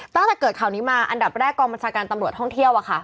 ตั้งแต่เกิดข่าวนี้มาอันดับแรกกองบัญชาการตำรวจท่องเที่ยว